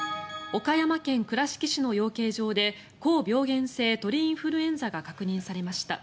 岡山県倉敷市の養鶏場で高病原性鳥インフルエンザが確認されました。